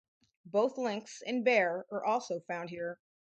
Both lynx and bear are also found here.